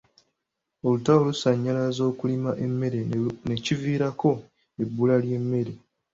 Olutalo lusannyalazza okulima emmere ne kiviirako ebbula ly'emmere.